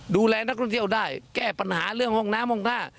ดูแลนักท่องเที่ยวได้แก้ปัญหาเรื่องห้องน้ำห้องท่า